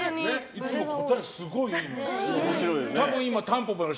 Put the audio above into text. いつも答え、すごいいいの。